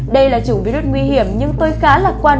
đây là chủng virus nguy hiểm nhưng tôi khá lạc quan